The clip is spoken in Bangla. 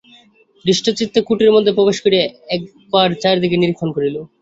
হৃষ্টচিত্তে কুটীরের মধ্যে প্রবেশ করিয়া একবার চারিদিকে নিরীক্ষণ করিল।